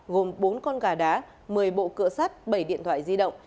gồm bốn con gà đá một mươi bộ cựa sắt bảy điện thoại di động